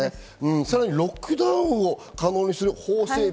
さらにロックダウンを可能にする法整備。